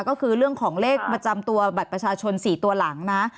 ก็คือเรื่องของเลขประจำตัวบัตรประชาชน๔ตัวหลังนะ